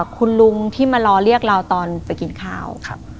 คุณลุงที่มารอเรียกเราตอนไปกินข้าว